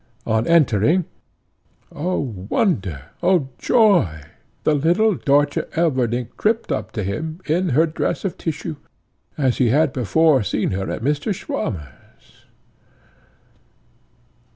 On entering, O wonder! O joy! the little Dörtje Elverdink tripped up to him, in her dress of tissue, as he had before seen her at Mr. Swammer's.